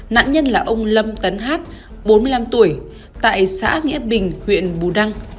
nạn nhân là ông lâm tấn hát bốn mươi năm tuổi tại xã nghĩa bình huyện bù đăng